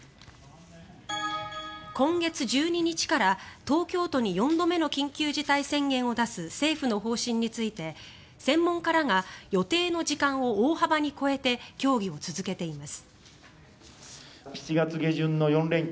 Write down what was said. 今月１２日から東京都に４度目の緊急事態宣言を出す政府の方針について、専門家らが予定の時間を大幅に超えて協議を続けています。